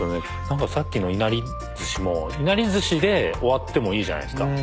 なんかさっきのいなりずしもいなりずしで終わってもいいじゃないですか。